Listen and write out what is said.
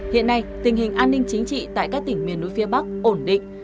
hiện nay tình hình an ninh chính trị tại các tỉnh miền núi phía bắc ổn định